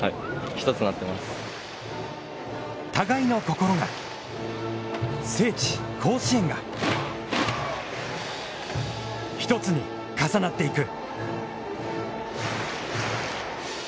互いの心が、聖地甲子園が、ひとつに重なっていく。